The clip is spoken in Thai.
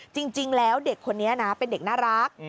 จริงแล้วเด็กคนนี้นะเป็นเด็กน่ารัก